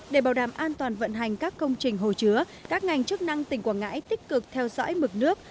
để bảo đảm an toàn vận hành các công trình hồ chứa các ngành chức năng tỉnh quảng ngãi tích cực theo dõi mực nước